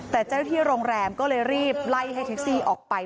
แต่เจ้าหน้าที่โรงแรมก็เลยรีบไล่ให้แท็กซี่ออกไป